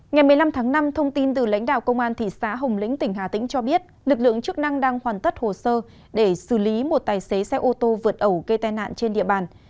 ngày một mươi năm tháng năm thông tin từ lãnh đạo công an thị xã hồng lĩnh tỉnh hà tĩnh cho biết lực lượng chức năng đang hoàn tất hồ sơ để xử lý một tài xế xe ô tô vượt ẩu gây tai nạn trên địa bàn